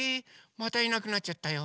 ⁉またいなくなっちゃったよ。